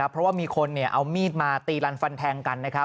เพราะว่ามีคนเอามีดมาตีลันฟันแทงกัน